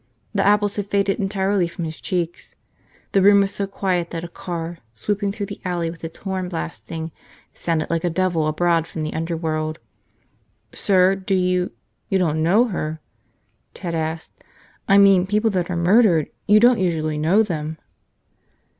The apples had faded entirely from his cheeks. The room was so quiet that a car, swooping through the alley with its horn blasting, sounded like a devil abroad from the underworld. "Sir, do you – you don't know her?" Ted asked. "I mean, people that are murdered, you don't usually know them."